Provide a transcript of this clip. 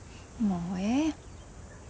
もうええ。